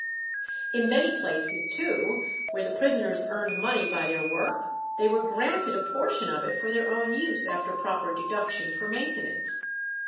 In many places too where the prisoners earned money by their work, they were granted a portion of it for their own use after proper deduction for maintenance.